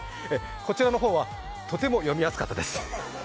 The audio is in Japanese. こちらの方は、とても読みやすかったです。